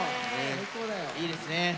いいですね。